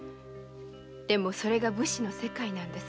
でもそれが武士の世界なのです。